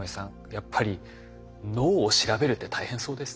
やっぱり脳を調べるって大変そうですね。